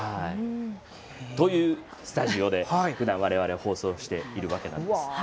というスタジオでふだん、われわれは放送しているわけなんです。